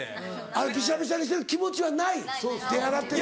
あれびしゃびしゃにしてる気持ちはない手洗ってる方は。